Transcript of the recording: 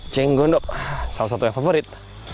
cenggondok salah satu yang favorit